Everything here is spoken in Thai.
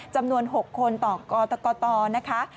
จำนวน๖คนต่อกตกตนะคะ